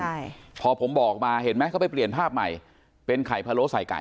ใช่พอผมบอกมาเห็นไหมเขาไปเปลี่ยนภาพใหม่เป็นไข่พะโล้ใส่ไก่